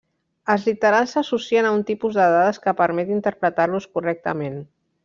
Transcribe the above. Els literals s'associen a un tipus de dades que permet interpretar-los correctament.